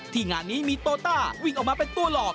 งานนี้มีโตต้าวิ่งออกมาเป็นตัวหลอก